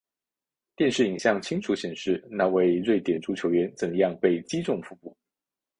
电视影像清楚显示那位瑞典足球员怎样被击中腹部。